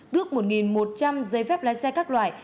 đước một một trăm linh dây phép lái xe các loại